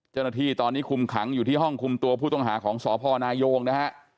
เจ้าหน้าที่ตอนนี้คุมขังอยู่ที่ห้องคุมตัวผู้ต้องหาของสพนายงนะฮะ